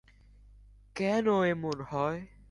কেন এমন হয়?